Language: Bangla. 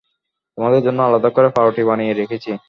তোমাদের জন্য আলাদা করে পাউরুটি বানিয়ে রেখেছি।